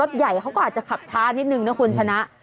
ใหญ่เขาก็อาจจะขับช้านิดนึงนะคุณชนะ